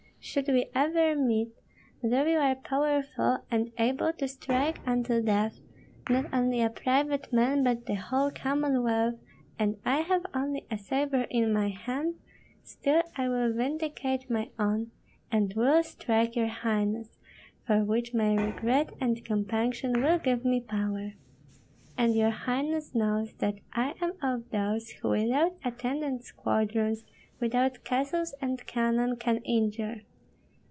Should we ever meet, though you are powerful and able to strike unto death, not only a private man, but the whole Commonwealth, and I have only a sabre in my hand, still I will vindicate my own, and will strike your highness, for which my regret and compunction will give me power. And your highness knows that I am of those who without attendant squadrons, without castles and cannon, can injure.